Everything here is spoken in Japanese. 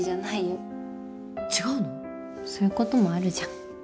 そういうこともあるじゃん。